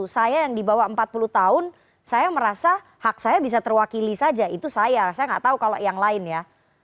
saya yang di bawah empat puluh tahun saya merasa hak saya bisa terwakili saja itu saya saya nggak tahu kalau yang lain ya